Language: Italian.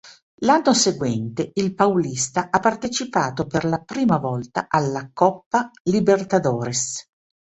L'anno seguente, il Paulista ha partecipato per la prima volta alla Coppa Libertadores.